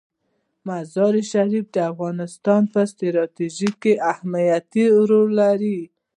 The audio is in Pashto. مزارشریف د افغانستان په ستراتیژیک اهمیت کې رول لري.